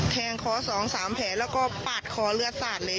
แทงคอสองสามแผลแล้วก็ปาดคอเลือดสาดเลย